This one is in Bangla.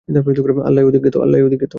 আল্লাহই অধিক জ্ঞাত।